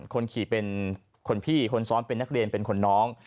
คนขี่เป็นคนพี่คนซ้อนเป็นนักเรียนเป็นคนน้อง